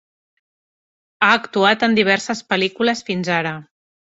Ha actuat en diverses pel·lícules fins ara.